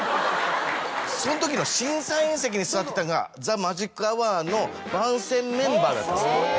そのときの審査員席に座ってたのが『ザ・マジックアワー』の番宣メンバーだったんです。